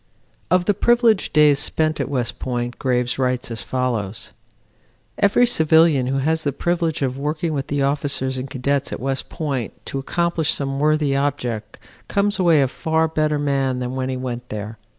Of the privileged days spent at West Point Graves writes, as follows: "Every civilian who has the privilege of working with the officers and cadets at West Point to accomplish some worthy object comes away a far better man than when he went there.